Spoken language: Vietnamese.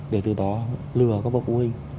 để từ đó lừa các bộ phụ huynh